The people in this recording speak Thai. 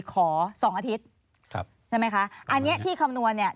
สองอาทิตย์ครับใช่ไหมคะอันนี้ที่คำนวณเนี่ย